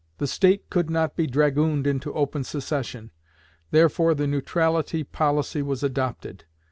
The State could not be dragooned into open secession, therefore the neutrality policy was adopted.